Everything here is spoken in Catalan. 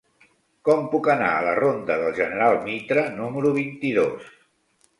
Com puc anar a la ronda del General Mitre número vint-i-dos?